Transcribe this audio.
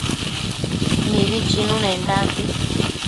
Mibi chinunendambi